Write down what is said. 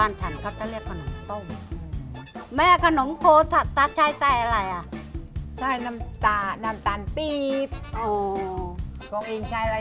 แล้วกำลังปั้นเป็นก้อนก้อนต่างกันตรงนี้